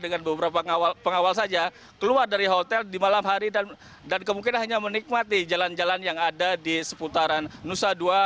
dengan beberapa pengawal saja keluar dari hotel di malam hari dan kemungkinan hanya menikmati jalan jalan yang ada di seputaran nusa dua